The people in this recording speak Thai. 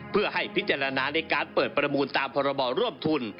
เพื่อให้พิจารณาในการเปิดประมูลตามพรบร่วมทุน